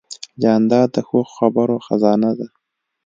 جانداد د ښو خبرو خزانه ده.